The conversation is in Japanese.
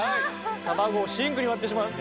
「卵をシンクに割ってしまう」